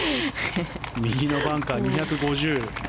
右のバンカー２５０。